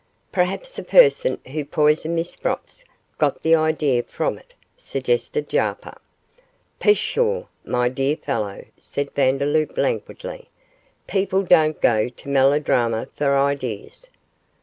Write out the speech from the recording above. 'Perhaps the person who poisoned Miss Sprotts, got the idea from it?' suggested Jarper. 'Pshaw, my dear fellow,' said Vandeloup, languidly; 'people don't go to melodrama for ideas.